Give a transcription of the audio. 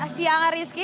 selamat siang rizky